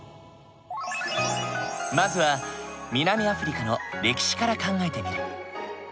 まずは南アフリカの歴史から考えてみる。